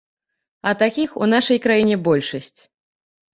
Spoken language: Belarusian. А такіх у нашай краіне большасць.